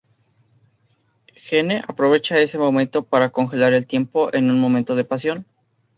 Gene aprovecha ese momento para congelar el tiempo en un momento de pasión.